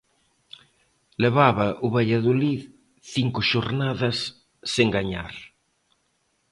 Levaba o Valladolid cinco xornadas sen gañar.